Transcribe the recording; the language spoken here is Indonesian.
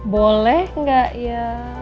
boleh gak ya